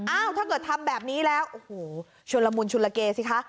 ถ้าเกิดทำแบบนี้แล้วโอ้โหชุนละมุนชุนละเกสิคะ